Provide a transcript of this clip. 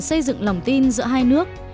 xây dựng lòng tin giữa hai nước